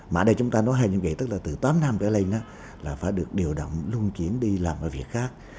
mà đây chúng ta nói hai nhiệm kỳ tức là từ tám năm tới nay là phải được điều động lung chiến đi làm cái việc khác